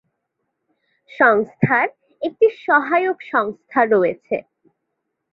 সংস্থার একটি সহায়ক সংস্থা রয়েছে।